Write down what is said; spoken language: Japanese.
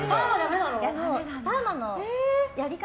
パーマのやり方。